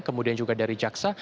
kemudian juga dari jaksa